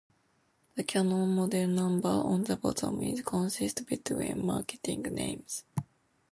The Canon model number on the bottom is consistent between marketing names.